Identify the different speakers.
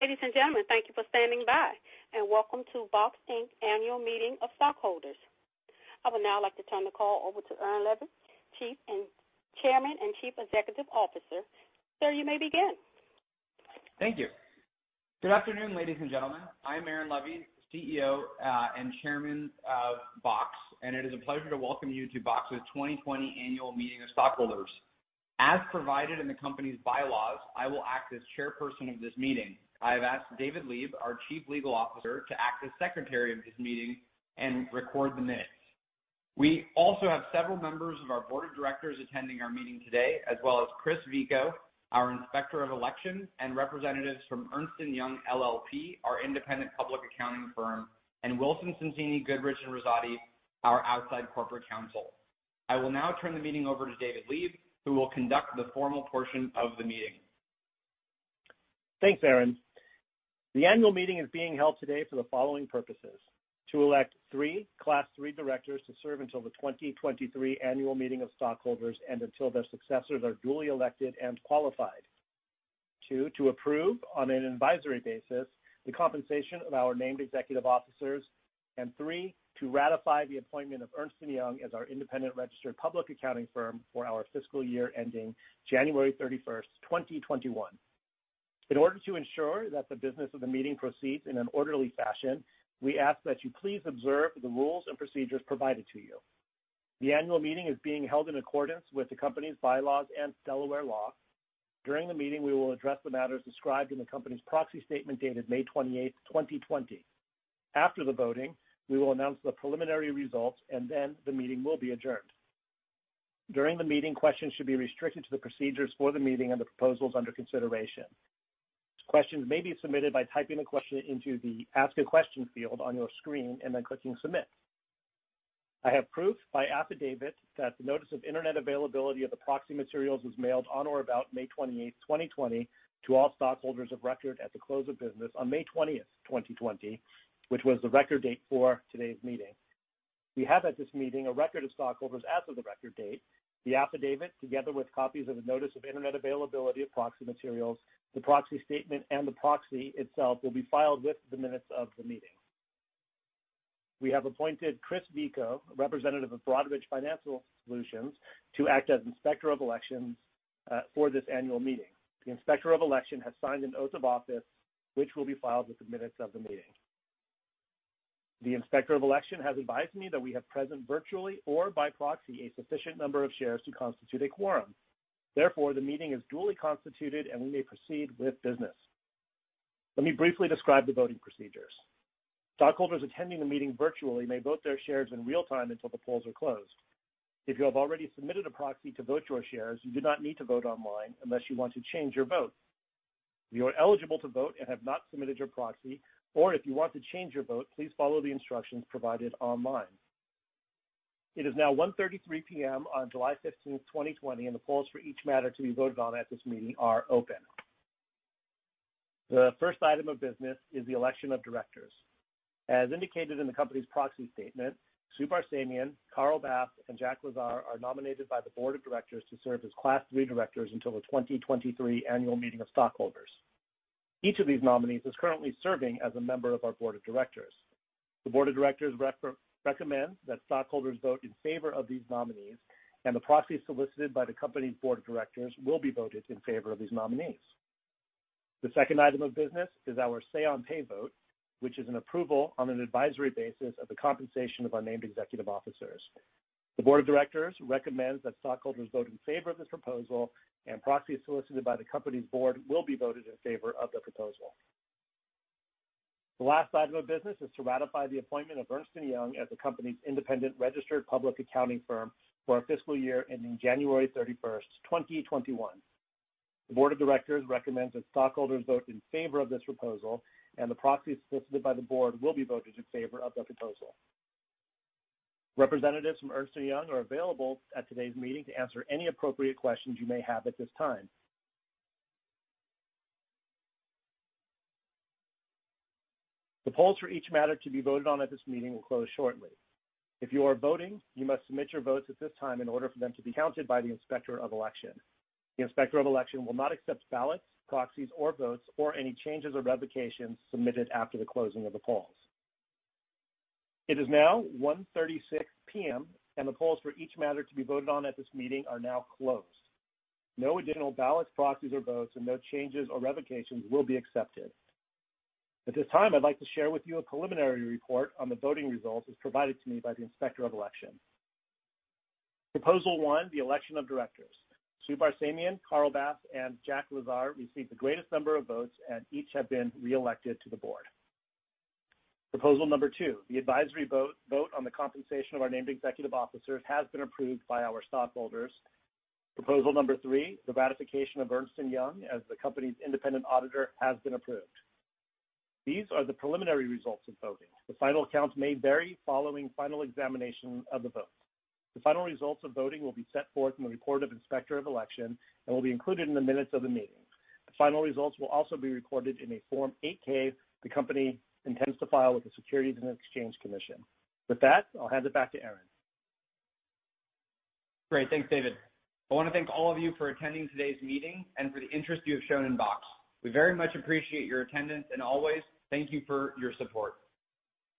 Speaker 1: Ladies and gentlemen, thank you for standing by, and welcome to Box, Inc.'s Annual Meeting of Stockholders. I would now like to turn the call over to Aaron Levie, Chairman and Chief Executive Officer. Sir, you may begin.
Speaker 2: Thank you. Good afternoon, ladies and gentlemen. I'm Aaron Levie, CEO and Chairman of Box, and it is a pleasure to welcome you to Box's 2020 Annual Meeting of Stockholders. As provided in the company's bylaws, I will act as chairperson of this meeting. I have asked David Leeb, our Chief Legal Officer, to act as secretary of this meeting and record the minutes. We also have several members of our board of directors attending our meeting today, as well as Chris Vico, our Inspector of Election, and representatives from Ernst & Young LLP, our independent public accounting firm, and Wilson Sonsini Goodrich & Rosati, our outside corporate counsel. I will now turn the meeting over to David Lieb, who will conduct the formal portion of the meeting.
Speaker 3: Thanks, Aaron. The annual meeting is being held today for the following purposes: to elect three Class III directors to serve until the 2023 Annual Meeting of Stockholders and until their successors are duly elected and qualified. Two, to approve on an advisory basis the compensation of our named executive officers, three, to ratify the appointment of Ernst & Young as our independent registered public accounting firm for our fiscal year ending January 31st, 2021. In order to ensure that the business of the meeting proceeds in an orderly fashion, we ask that you please observe the rules and procedures provided to you. The annual meeting is being held in accordance with the company's bylaws and Delaware law. During the meeting, we will address the matters described in the company's proxy statement dated May 28th, 2020. After the voting, we will announce the preliminary results, and then the meeting will be adjourned. During the meeting, questions should be restricted to the procedures for the meeting and the proposals under consideration. Questions may be submitted by typing the question into the Ask a Question field on your screen and then clicking Submit. I have proof by affidavit that the notice of Internet availability of the proxy materials was mailed on or about May 28th, 2020, to all stockholders of record at the close of business on May 20th, 2020, which was the record date for today's meeting. We have at this meeting a record of stockholders as of the record date. The affidavit, together with copies of the notice of Internet availability of proxy materials, the proxy statement, and the proxy itself will be filed with the minutes of the meeting. We have appointed Chris Vico, a representative of Broadridge Financial Solutions, to act as Inspector of Election for this annual meeting. The Inspector of Election has signed an oath of office which will be filed with the minutes of the meeting. The Inspector of Election has advised me that we have present virtually or by proxy a sufficient number of shares to constitute a quorum. Therefore, the meeting is duly constituted, and we may proceed with business. Let me briefly describe the voting procedures. Stockholders attending the meeting virtually may vote their shares in real time until the polls are closed. If you have already submitted a proxy to vote your shares, you do not need to vote online unless you want to change your vote. If you are eligible to vote and have not submitted your proxy, or if you want to change your vote, please follow the instructions provided online. It is now 1:33 P.M. on July 15th, 2020, and the polls for each matter to be voted on at this meeting are open. The first item of business is the election of directors. As indicated in the company's proxy statement, Sue Barsamian, Carl Bass, and Jack Lazar are nominated by the Board of Directors to serve as Class III directors until the 2023 Annual Meeting of Stockholders. Each of these nominees is currently serving as a member of our Board of Directors. The Board of Directors recommends that stockholders vote in favor of these nominees, and the proxies solicited by the company's Board of Directors will be voted in favor of these nominees. The second item of business is our say on pay vote, which is an approval on an advisory basis of the compensation of our named executive officers. The Board of Directors recommends that stockholders vote in favor of this proposal, and proxies solicited by the company's Board will be voted in favor of the proposal. The last item of business is to ratify the appointment of Ernst & Young as the company's independent registered public accounting firm for our fiscal year ending January 31st, 2021. The Board of Directors recommends that stockholders vote in favor of this proposal, and the proxies solicited by the Board will be voted in favor of the proposal. Representatives from Ernst & Young are available at today's meeting to answer any appropriate questions you may have at this time. The polls for each matter to be voted on at this meeting will close shortly. If you are voting, you must submit your votes at this time in order for them to be counted by the Inspector of Election. The Inspector of Election will not accept ballots, proxies or votes, or any changes or revocations submitted after the closing of the polls. It is now 1:36 P.M., and the polls for each matter to be voted on at this meeting are now closed. No additional ballots, proxies or votes, and no changes or revocations will be accepted. At this time, I'd like to share with you a preliminary report on the voting results as provided to me by the Inspector of Election. Proposal one, the election of directors. Sue Barsamian, Carl Bass, and Jack Lazar received the greatest number of votes and each have been reelected to the board. Proposal number two, the advisory vote on the compensation of our named executive officers has been approved by our stockholders. Proposal number three, the ratification of Ernst & Young as the company's independent auditor has been approved. These are the preliminary results of voting. The final counts may vary following final examination of the votes. The final results of voting will be set forth in the report of Inspector of Election and will be included in the minutes of the meeting. The final results will also be recorded in a Form 8-K the company intends to file with the Securities and Exchange Commission. With that, I'll hand it back to Aaron.
Speaker 2: Great. Thanks, David. I want to thank all of you for attending today's meeting and for the interest you have shown in Box. We very much appreciate your attendance, and always, thank you for your support.